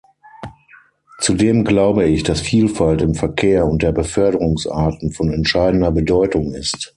Zudem glaube ich, dass Vielfalt im Verkehr und der Beförderungsarten von entscheidender Bedeutung ist.